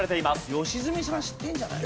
良純さん知ってるんじゃない？